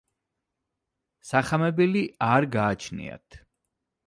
სახამებელი არ გააჩნიათ.